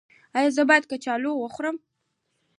ایا زه باید کچالو وخورم؟